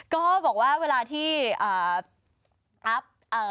ก็บอกว่าเวลาที่อัพ